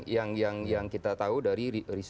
yang kita tahu dari